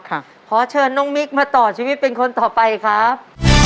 ขอเชิญน้องมิ๊กมาต่อชีวิตเป็นคนต่อไปครับ